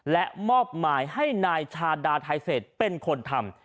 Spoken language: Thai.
และมอบหมายให้นายชาดาไทเศษเป็นคนทำ